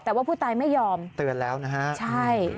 แต่ว่าผู้ตายไม่ยอมเตือนแล้วนะฮะใช่